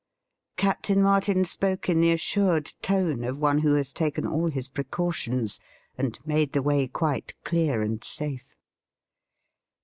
Captain Martin spoke in the assured tone of one who has taken all his precautions and made the way quite clear and safe.